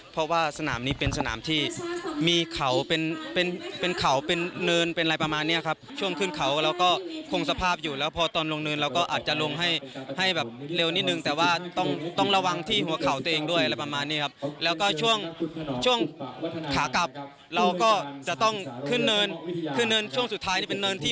เพราะว่าสนามนี้เป็นสนามที่มีเขาเป็นเป็นเขาเป็นเนินเป็นอะไรประมาณเนี้ยครับช่วงขึ้นเขาเราก็คงสภาพอยู่แล้วพอตอนลงเนินเราก็อาจจะลงให้ให้แบบเร็วนิดนึงแต่ว่าต้องต้องระวังที่หัวเขาตัวเองด้วยอะไรประมาณนี้ครับแล้วก็ช่วงช่วงขากลับเราก็จะต้องขึ้นเนินขึ้นเนินช่วงสุดท้ายที่เป็นเนินที่